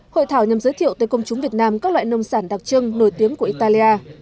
hội thảo nhằm giới thiệu tới công chúng việt nam các loại nông sản đặc trưng nổi tiếng của italia